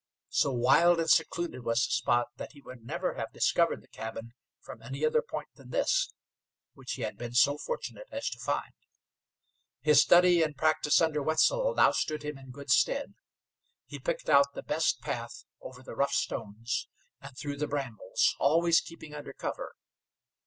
So wild and secluded was the spot, that he would never have discovered the cabin from any other point than this, which he had been so fortunate as to find. His study and practice under Wetzel now stood him in good stead. He picked out the best path over the rough stones and through the brambles, always keeping under cover.